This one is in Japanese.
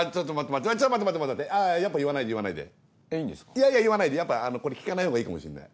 いやいや言わないでやっぱこれ聞かないほうがいいかもしんない。